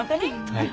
はい。